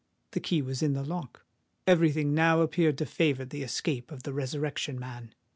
The key was in the lock:—every thing now appeared to favour the escape of the Resurrection Man!